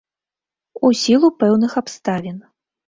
У сілу пэўных абставін.